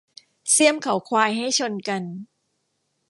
เสี้ยมเขาควายให้ชนกัน